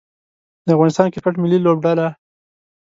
د افغانستان کرکټ ملي لوبډله